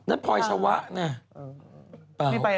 นั่นพลอยชาวะเนี่ย